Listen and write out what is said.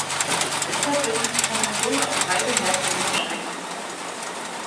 Deshalb wird sich die Kommission auf drei Bemerkungen beschränken.